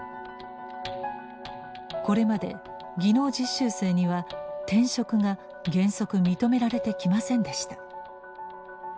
これまで技能実習生には転職が原則認められてきませんでした。